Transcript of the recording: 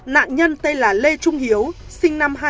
nạn nhân tên là lê trung hiếu sinh năm hai nghìn